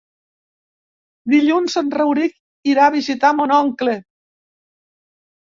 Dilluns en Rauric irà a visitar mon oncle.